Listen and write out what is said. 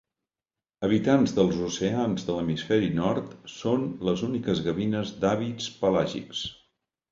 Habitants dels oceans de l'hemisferi nord, són les úniques gavines d'hàbits pelàgics.